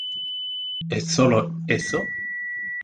Es sólo 'eso'.